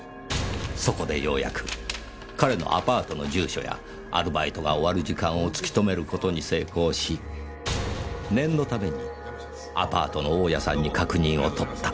そこでようやく彼のアパートの住所やアルバイトが終わる時間を突き止める事に成功し念のためにアパートの大家さんに確認をとった。